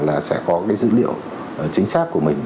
là sẽ có cái dữ liệu chính xác của mình